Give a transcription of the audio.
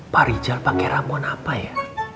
pak rijal pakai ramuan apa ya